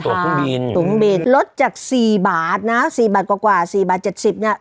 ตั๋วข้างบินตั๋วข้างบินลดจากสี่บาทนะสี่บาทกว่ากว่าสี่บาทเจ็ดสิบเนี่ย